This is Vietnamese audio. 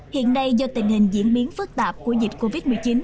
hiện nay do tình hình diễn biến phức tạp của dịch covid một mươi chín